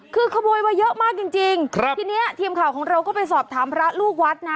คือขโมยมาเยอะมากจริงจริงครับทีนี้ทีมข่าวของเราก็ไปสอบถามพระลูกวัดนะ